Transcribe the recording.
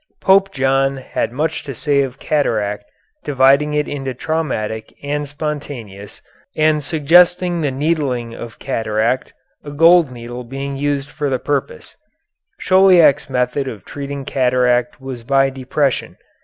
Pope John had much to say of cataract, dividing it into traumatic and spontaneous, and suggesting the needling of cataract, a gold needle being used for the purpose. Chauliac's method of treating cataract was by depression.